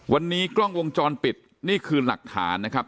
วันนี้กล้องวงจรปิดนี่คือหลักฐานนะครับ